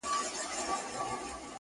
• مرګ د اوبو وار دی نن پر ما سبا پر تا -